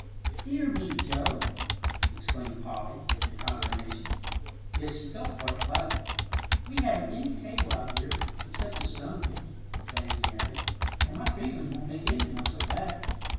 "Dear me, Joe!" exclaimed Polly, in consternation. Yet she felt quite flattered. "We haven't any table out here, except the stone one," glancing at it, "and my fingers won't make any noise on that.